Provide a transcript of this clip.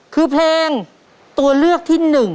คือเพลงตัวเลือกที่๑